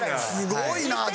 すごいな。